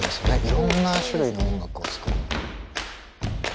いろんな種類の音楽を作る。